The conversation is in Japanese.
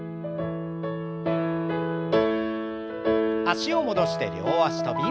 脚を戻して両脚跳び。